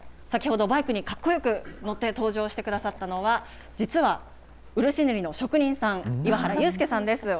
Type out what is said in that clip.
先ほどバイクにかっこよく乗って登場してくださったのは、実は、漆塗りの職人さん、岩原裕右さんです。